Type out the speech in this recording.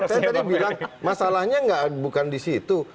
saya tadi bilang masalahnya bukan di situ